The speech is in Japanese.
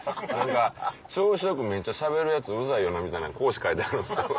調子よくめっちゃしゃべるヤツウザいよなみたいな孔子書いてはるんです